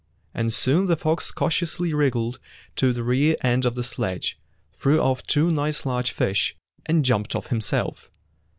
And soon the fox cautiously wriggled to the rear end of the sledge, threw off two nice large fish, and jumped off himself.